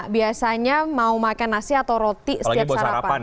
biasanya mau makan nasi atau roti setiap sarapan